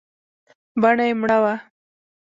بڼه يې مړه وه .